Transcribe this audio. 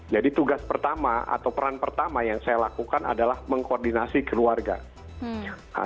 jadi tugas pertama atau peran pertama yang saya lakukan adalah mengkoordinasi keluarga